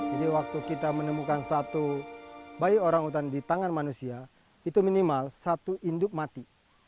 waktu kita menemukan satu bayi orangutan di tangan manusia itu minimal satu induk mati